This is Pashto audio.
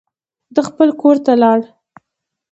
ده خپل کور ته لاړ.